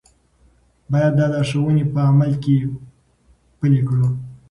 باید دا لارښوونې په عمل کې پلي کړو.